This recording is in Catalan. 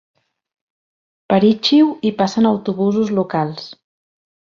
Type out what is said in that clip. Per Ichiu hi passen autobusos locals.